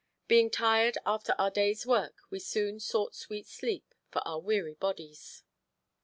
Being tired after our day's work we soon sought sweet sleep for our weary bodies.